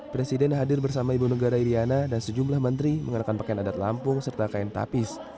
presiden hadir bersama ibu negara iryana dan sejumlah menteri mengenakan pakaian adat lampung serta kain tapis